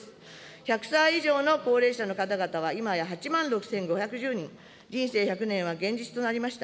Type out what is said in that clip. １００歳以上の高齢者の方々は今や８万６５１０人、人生１００年は現実となりました。